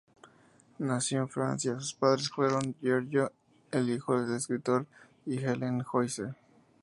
Nació en Francia, sus padres fueron, Giorgio, el hijo del escritor, y Helen Joyce.